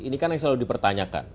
ini kan yang selalu dipertanyakan